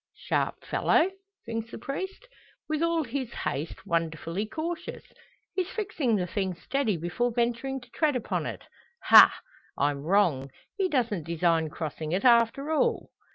"Sharp fellow?" thinks the priest; "with all his haste, wonderfully cautious! He's fixing the thing steady before venturing to tread upon it! Ha! I'm wrong; he don't design crossing it after all!"